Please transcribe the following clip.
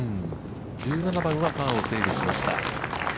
１７番はパーをセーブしました。